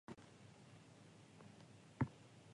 災害対策車